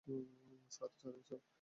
Sir, ছাড়েন, sir.